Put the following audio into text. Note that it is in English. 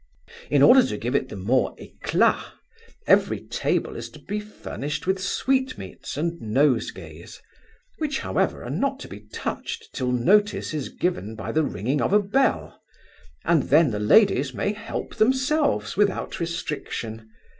In order to give it the more eclat, every table is to be furnished with sweet meats and nosegays; which, however, are not to be touched till notice is given by the ringing of a bell, and then the ladies may help themselves without restriction.